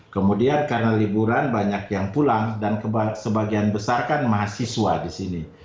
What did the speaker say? kemudian karena liburan banyak yang pulang dan sebagian besar kan mahasiswa di sini